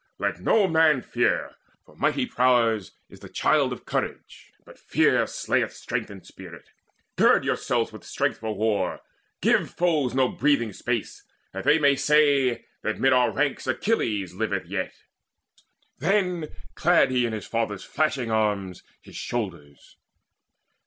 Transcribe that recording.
Let no man fear, for mighty prowess is The child of courage; but fear slayeth strength And spirit. Gird yourselves with strength for war; Give foes no breathing space, that they may say That mid our ranks Achilles liveth yet." Then clad he with his father's flashing arms His shoulders.